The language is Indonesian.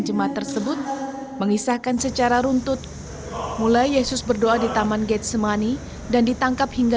jemaah tersebut mengisahkan secara runtut mulai yesus berdoa di taman getsemani dan ditangkap hingga